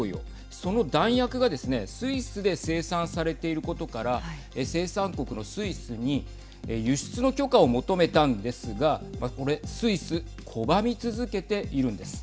その弾薬がですねスイスで生産されていることから生産国のスイスに輸出の許可を求めたんですがこれ、スイス拒み続けているんです。